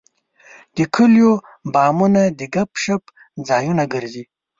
د کلیو بامونه د ګپ شپ ځایونه ګرځي.